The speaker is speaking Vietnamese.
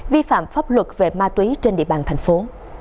vi phạm pháp luật về ma túy trên địa bàn thành phố